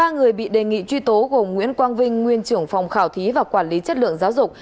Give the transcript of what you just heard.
ba người bị đề nghị truy tố gồm nguyễn quang vinh nguyên trưởng phòng khảo thí và quản lý chất lượng giáo dục